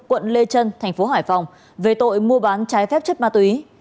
quận lê trân thành phố hải phòng về tội mua bán trái phép chất ma túy